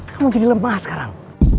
kamu jadi lemah sekarang